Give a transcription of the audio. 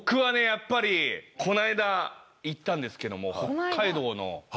やっぱりこの間行ったんですけども。